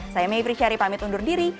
saya mayfri syari pamit undur diri